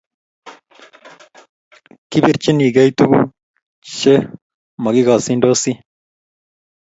Kipirchinigei tukuk Che makikashindosi